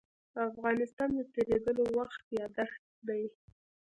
تاریخ د تېرېدلو وخت يادښت دی.